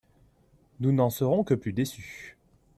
Nous n’en serons que plus déçus.